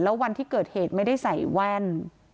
แล้ววันที่เกิดเหตุไม่ได้ใส่แว่น